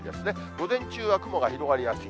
午前中は雲が広がりやすい。